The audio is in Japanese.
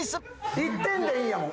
１点でいいんやもん。